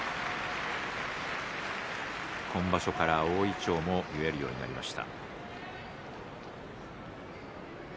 今場所から大いちょうも結えるようになりました